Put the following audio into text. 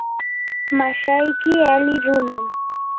mashayki ali runam.